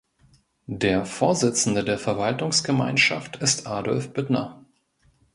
Der Vorsitzende der Verwaltungsgemeinschaft ist Adolf Büttner.